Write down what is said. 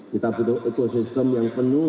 kita butuh ekosistem yang penuh